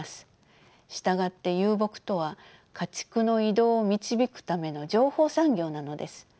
従って遊牧とは家畜の移動を導くための情報産業なのです。